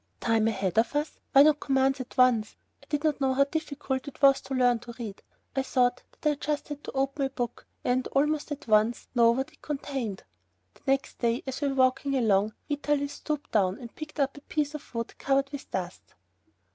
Time ahead of us! Why not commence at once? I did not know how difficult it was to learn to read. I thought that I just had to open a book and, almost at once, know what it contained. The next day, as we were walking along, Vitalis stooped down and picked up a piece of wood covered with dust.